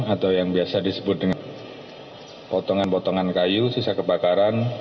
atau yang biasa disebut dengan potongan potongan